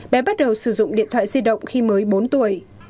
bé bắt đầu sử dụng điện thoại di động khi mới bốn tuổi